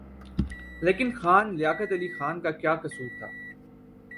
لیکن خان لیاقت علی خان کا کیا قصور تھا؟